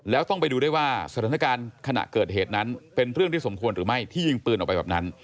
แล้วต้องไปดูด้วยว่าสถานการณ์ขณะเกิดเหตุนั้นเป็นเรื่องที่สมควรหรือไม่ที่ยิงปืนออกไปแบบนั้น